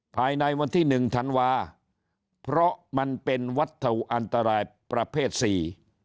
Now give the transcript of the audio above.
ภายในวันที่หนึ่งธันวาเพราะมันเป็นวัตถุอันตรายประเภทสี่